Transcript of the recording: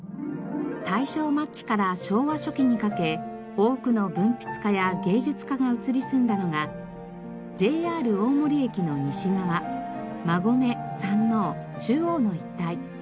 大正末期から昭和初期にかけ多くの文筆家や芸術家が移り住んだのがＪＲ大森駅の西側馬込・山王・中央の一帯。